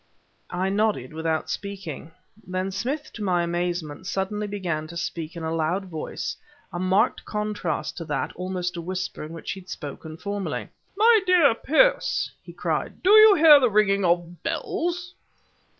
I nodded without speaking. Then Smith, to my amazement, suddenly began to speak in a loud voice, a marked contrast to that, almost a whisper, in which he had spoken formerly. "My dear Pearce," he cried, "do you hear the ringing of bells?"